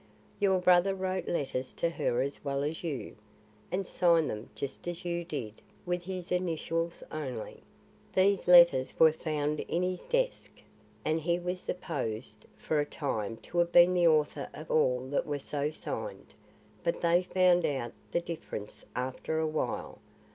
"Your brother wrote letters to her as well as you, and signed them just as you did, with his initials only. These letters were found in her desk, and he was supposed, for a time, to have been the author of all that were so signed. But they found out the difference after awhile.